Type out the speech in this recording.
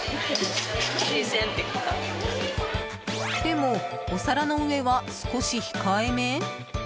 でも、お皿の上は少し控えめ？